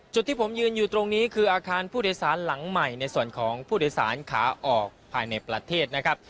จุดที่ผมยืนอยู่ตรงนี้คืออาคารผู้โดยสารหลังใหม่ในส่วนของผู้โดยสารขาออกภายในประเทศนะครับ